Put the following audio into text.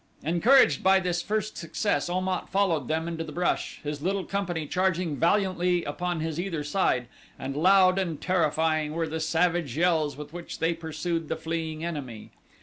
Encouraged by this first success Om at followed them into the brush, his little company charging valiantly upon his either side, and loud and terrifying were the savage yells with which they pursued the fleeing enemy.